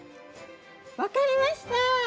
わかりました！